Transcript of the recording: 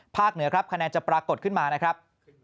เหนือครับคะแนนจะปรากฏขึ้นมานะครับ